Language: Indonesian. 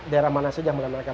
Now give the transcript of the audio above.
daerah mana saja mereka